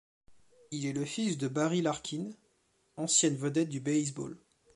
Il est le fils de Barry Larkin, ancienne vedette du baseball.